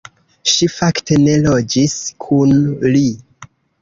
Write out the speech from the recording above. Ŝi fakte ne loĝis kun li.